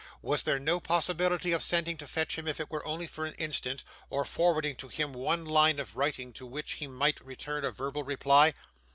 Was there no possibility of sending to fetch him if it were only for an instant, or forwarding to him one line of writing to which he might return a verbal reply?